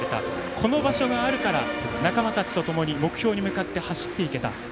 この場所があるから仲間たちとともに目標に向かって走っていけた。